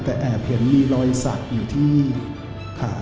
แต่แอบเห็นมีรอยสักอยู่ที่ขา